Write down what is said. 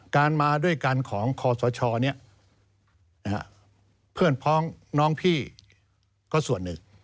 มาด้วยกันของคอสชเพื่อนพ้องน้องพี่ก็ส่วนหนึ่ง